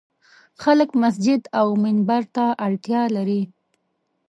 خلک مسجد او منبر ته اړتیا لري.